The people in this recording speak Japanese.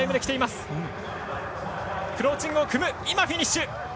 フィニッシュ！